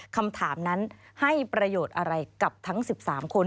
คำถามนั้นให้ประโยชน์อะไรกับทั้ง๑๓คน